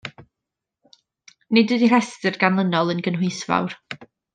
Nid ydy'r rhestr ganlynol yn gynhwysfawr.